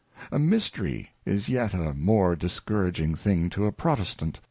A Mystery is yet a more discouraging thing to a, PrntestaaLi